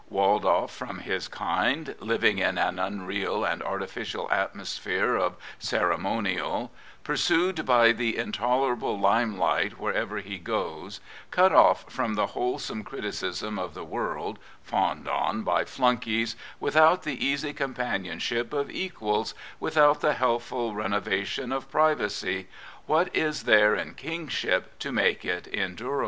Walled off from his kind, living in an unreal and artificial atmosphere of ceremonial, pur sued by the intolerable limelight wherever he goes, cut off from the wholesome criticism of the world, fawed on by flunkeys, without the easy companion ship of equsds, without the healthful renovation of privacy, what is there in Kingship to make it endur abk?